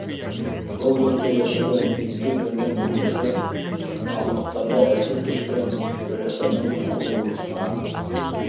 Был йортта йәшәгән изге бәндә Мөғлифә ҡалмыҡтарға әсир төшкән өләсәңдең тоҡомо булып сыға...